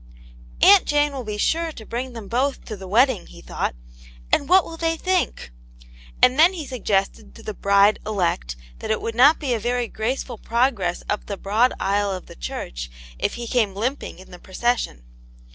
" Aunt Jane will be sure to bring them both to the wedding," he thought, " and what will they think ?" And then he suggested to the bride elect that it would not be a very graceful progress up the broad aisle of the church, if he came limping in the pro cession.